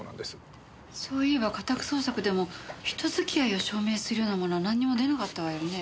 そういえば家宅捜索でも人付き合いを証明するような物はなんにも出なかったわよね。